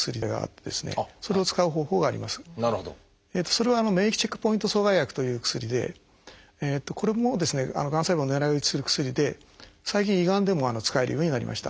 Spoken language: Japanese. それは「免疫チェックポイント阻害薬」という薬でこれもがん細胞を狙い撃ちする薬で最近胃がんでも使えるようになりました。